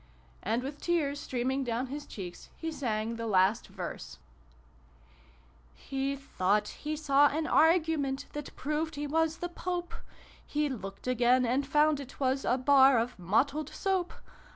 And, with tears streaming down his cheeks, he sang the last verse :" He thought he saw an Argument That proved he was tJie Pope : He looked again, and found it was A Bar of Mottled Soap.